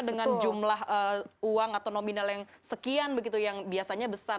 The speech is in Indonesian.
dengan jumlah uang atau nominal yang sekian begitu yang biasanya besar